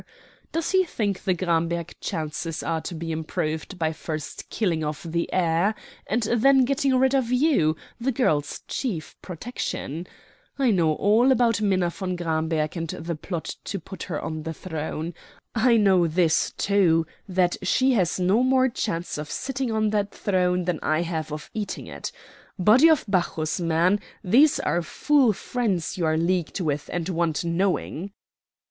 Does he think the Gramberg chances are to be improved by first killing off the heir and then getting rid of you, the girl's chief protection? I know all about Minna von Gramberg, and the plot to put her on the throne. I know this, too, that she has no more chance of sitting on that throne than I have of eating it. Body of Bacchus, man, these are foul fiends you are leagued with and want knowing."